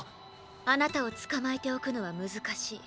あなたを捕まえておくのは難しい。